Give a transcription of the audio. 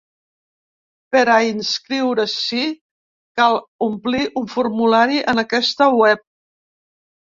Per a inscriure-s’hi, cal omplir un formulari en aquesta web.